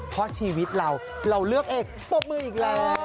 เพราะชีวิตเราเราเลือกเอกปรบมืออีกแล้ว